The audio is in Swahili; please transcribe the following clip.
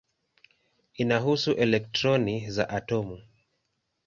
Inahusu elektroni za atomu.